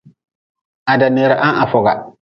Ha daneera ha-n ha foga.